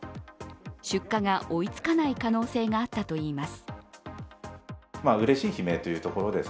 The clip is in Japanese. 出荷が追いつかない可能性があったといいます。